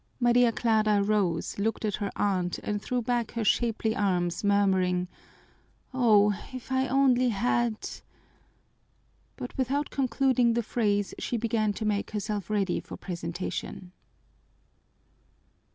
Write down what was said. Maria Clara rose, looked at her aunt, and threw back her shapely arms, murmuring, "Oh, if I only had " But without concluding the phrase she began to make herself ready for presentation.